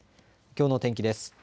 きょうの天気です。